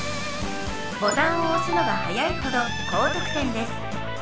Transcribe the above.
ボタンを押すのが早いほど高得点です。